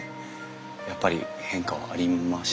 やっぱり変化はありましたか？